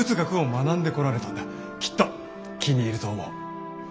きっと気に入ると思う。